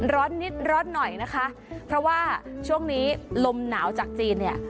ร้อนนิดร้อนหน่อยนะคะเพราะว่าช่วงนี้ลมหนาวจากจีนเนี่ย